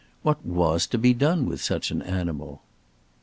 What was to be done with such an animal?